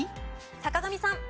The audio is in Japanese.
坂上さん。